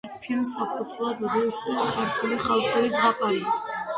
ფილმს საფუძვლად უდევს ქართული ხალხური ზღაპარი.